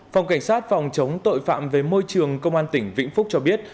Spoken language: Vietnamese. phòng cảnh sát phòng chống tội phạm về môi trường công an tỉnh vĩnh phúc cho biết